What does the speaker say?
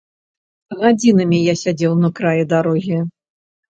Гадзінамі я сядзеў на краі дарогі.